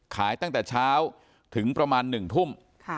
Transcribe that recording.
ขายตั้งแต่เช้าถึงประมาณ๑ทุ่ม